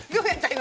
今。